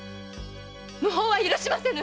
無法は許しませぬ。